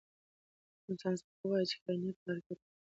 ساینس پوه وویل چې کائنات په حرکت کې دي.